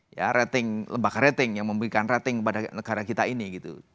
ya rating lembaga rating yang memberikan rating kepada negara kita ini gitu